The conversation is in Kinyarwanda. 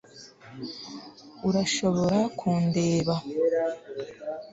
urashobora kundeba